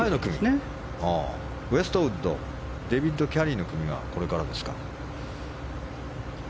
ウェストウッドデビッド・キャリーの組はこれからですか。